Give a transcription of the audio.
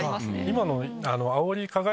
今の。